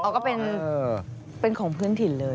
ก็เป็นของพื้นถิ่นเลย